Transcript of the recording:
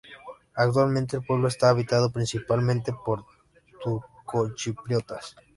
Actualmente el pueblo está habitado principalmente por turcochipriotas.